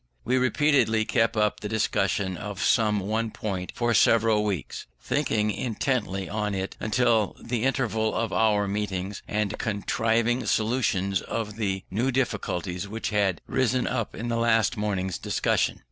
We repeatedly kept up the discussion of some one point for several weeks, thinking intently on it during the intervals of our meetings, and contriving solutions of the new difficulties which had risen up in the last morning's discussion.